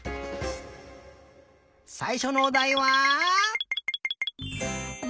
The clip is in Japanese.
さいしょのおだいは。